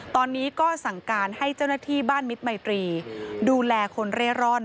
ตอนนี้ก็สั่งการให้เจ้าหน้าที่บ้านมิตรมัยตรีดูแลคนเร่ร่อน